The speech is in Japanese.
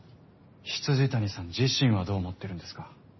未谷さん自身はどう思ってるんですか？